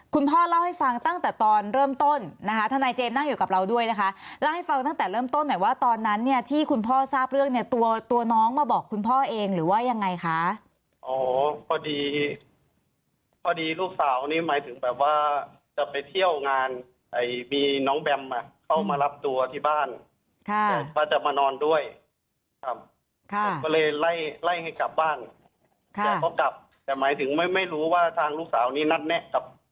คุณพ่อเล่าให้ฟังตั้งแต่ตอนเริ่มต้นนะคะทนายเจมส์นั่งอยู่กับเราด้วยนะคะเล่าให้ฟังตั้งแต่เริ่มต้นหน่อยว่าตอนนั้นเนี่ยที่คุณพ่อทราบเรื่องเนี่ยตัวตัวน้องมาบอกคุณพ่อเองหรือว่ายังไงคะอ๋อพอดีพอดีลูกสาวนี่หมายถึงแบบว่าจะไปเที่ยวงานมีน้องแบมอ่ะเข้ามารับตัวที่บ้านค่ะว่าจะมานอนด้วยครับค่ะ